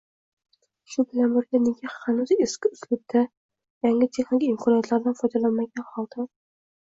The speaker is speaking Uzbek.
Shu bilan birga, nega hanuz eski uslubda – yangi texnik imkoniyatlardan foydalanmagan holda